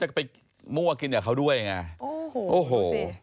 จะไปมั่วกินกับเขาด้วยไงโอ้โหโอ้โห